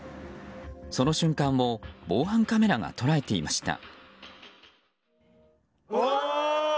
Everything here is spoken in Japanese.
その瞬間を防犯カメラが捉えていました。